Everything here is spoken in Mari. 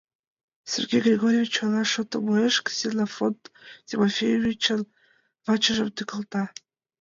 — Сергей Григорьевич ойлаш шотым муэш, Ксенофонт Тимофеевичын вачыжым тӱкалта.